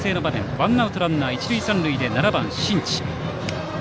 ワンアウトランナー、一塁三塁で７番、新地。